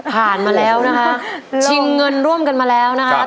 มาแล้วนะคะชิงเงินร่วมกันมาแล้วนะครับ